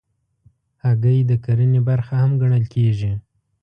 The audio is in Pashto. هګۍ د کرنې برخه هم ګڼل کېږي.